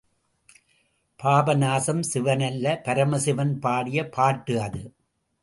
பாபநாசம் சிவன் அல்ல பரமசிவன் பாடிய பாட்டு அது.